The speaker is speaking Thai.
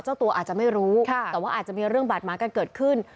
เจ้าตัวอาจจะไม่รู้แต่ว่าอาจจะมีเรื่องบาดหมางกันเกิดขึ้น